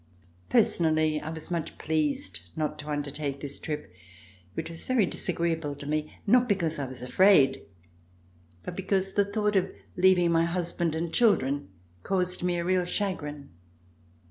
Personally I was much pleased not to undertake this trip which was very disagreeable to me, not because I was afraid, but because the thought of leaving my husband and RECOLLECTIONS OF THE REVOLUTION children caused me a real chagrin.